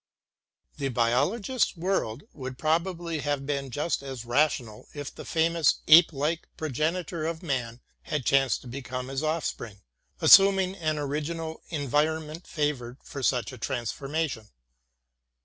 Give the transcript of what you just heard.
The biologist's world would probably have been just as rational if the famous ape like progenitor of man had chanced to become his offspring — assuming an original en vironment favorable for such transformation.